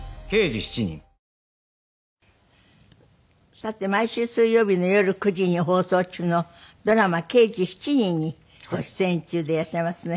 さて毎週水曜日の夜９時に放送中のドラマ『刑事７人』にご出演中でいらっしゃいますね。